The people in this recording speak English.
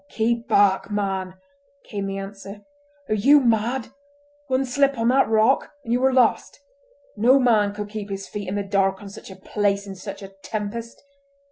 "Keep back, man!" came the answer. "Are you mad? One slip on that rock and you are lost: and no man could keep his feet in the dark on such a place in such a tempest!"